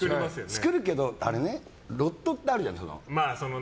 作るけどあれ、ロットってあるじゃん。